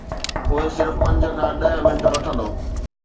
اهو صرف پنج کان ڏهه منٽ وٺندو.